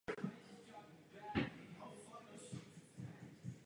V obci byly dva mlýny.